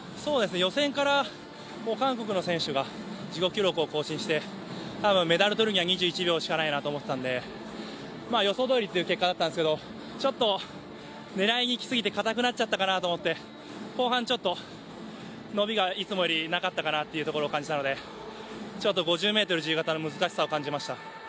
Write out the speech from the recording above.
予選から韓国の選手が自己記録を更新してメダル取るには２１秒しかないなと思ってたんで、予想どおりという結果だったんですけれども、ちょっと狙いにいきすぎて、硬くなっちゃったかなと思って後半、ちょっと伸びがいつもよりなかったかなと感じたのでちょっと５０ｍ自由形の難しさを感じました。